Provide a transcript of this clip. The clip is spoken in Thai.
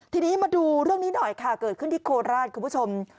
ทีนี้มาดูเรื่องนี้หน่อยค่ะเกิดขึ้นที่โคราชคุณผู้ชม